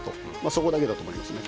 そこだけだと思います。